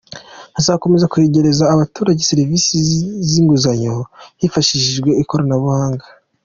Hazakomeza kwegereza abaturage serivisi z’inguzanyo hifashishijwe Ikoranabuhanga.